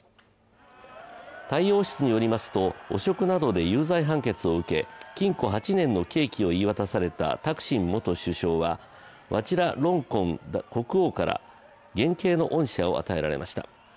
タイ王室によりますと汚職などで有罪判決を受け禁錮８年の刑期を言い渡されたタクシン元首相はワチラロンコン国王から減刑の恩赦を与えられました。